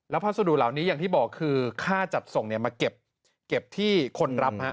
พัสดุเหล่านี้อย่างที่บอกคือค่าจัดส่งมาเก็บที่คนรับ